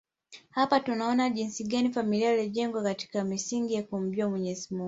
Hapa tunaona jinsi gani familia iliyojijenga katika misingi ya kumjua Mwenyezi Mungu